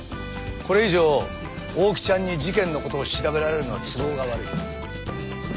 これ以上大木ちゃんに事件の事を調べられるのは都合が悪い。